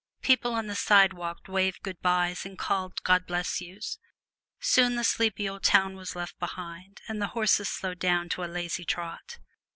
People on the sidewalks waved good bys and called God bless yous. Soon the sleepy old town was left behind and the horses slowed down to a lazy trot.